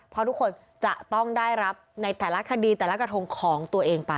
เพราะทุกคนจะต้องได้รับในแต่ละคดีแต่ละกระทงของตัวเองไป